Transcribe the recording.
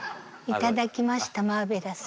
頂きましたマーベラス。